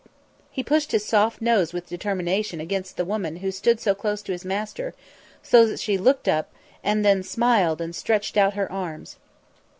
He pushed his soft nose with determination against the woman who stood so close to his master, so that she looked up, and then smiled and stretched out her arms.